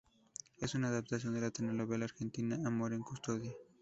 Es una adaptación de la telenovela argentina "Amor en custodia".